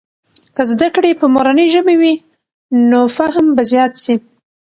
که زده کړې په مورنۍ ژبې وي، نو فهم به زيات سي.